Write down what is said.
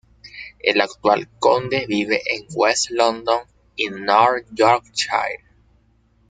El actual conde vive en West London y North Yorkshire.